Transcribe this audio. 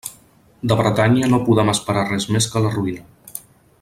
De Bretanya no podem esperar res més que la ruïna.